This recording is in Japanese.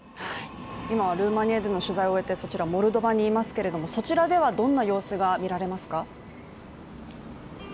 今はルーマニアでの取材を終えてモルドバにいますけれどもそちらではどんな様子が見られますか？